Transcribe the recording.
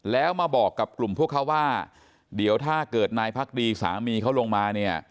แล้วมาบอกกับกลุ่มพวกเขาว่าเดี๋ยวถ้าเกิดนายพักดีสามีเขาลงมาเนี่ย